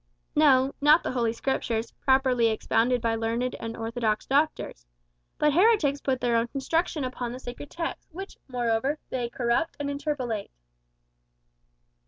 "No; not the Holy Scriptures, properly expounded by learned and orthodox doctors. But heretics put their own construction upon the sacred text, which, moreover, they corrupt and interpolate."